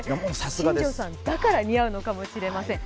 新庄さんだから似合うのかもしれませんね。